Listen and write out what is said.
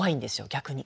逆に。